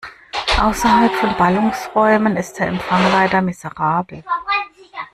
Außerhalb von Ballungsräumen ist der Empfang leider miserabel.